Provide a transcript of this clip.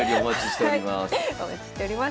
はいお待ちしております。